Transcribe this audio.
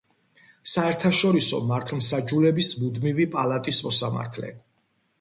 საერთაშორისო მართლმსაჯულების მუდმივი პალატის მოსამართლე.